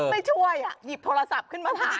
ไม่ช่วยหยิบโทรศัพท์ขึ้นมาถ่าย